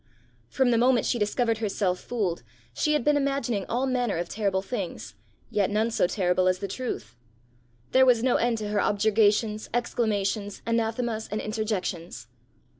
From the moment she discovered herself fooled, she had been imagining all manner of terrible things yet none so terrible as the truth. There was no end to her objurgations, exclamations, anathemas, and interjections.